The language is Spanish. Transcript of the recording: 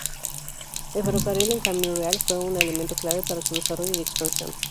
El ferrocarril en Caminreal fue un elemento clave para su desarrollo y expansión.